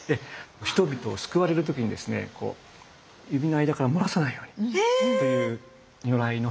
人々を救われる時にですね指の間から漏らさないようにという如来の表現なんですね。